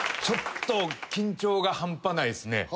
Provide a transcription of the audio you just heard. ちょっと緊張が半端ないっすね。